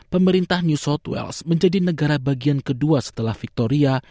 pemerintah new south wales menjadi negara bagian kedua setelah victoria